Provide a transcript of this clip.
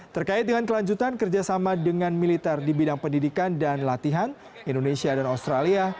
terkait dengan kelanjutan kerjasama dengan militer di bidang pendidikan dan latihan indonesia dan australia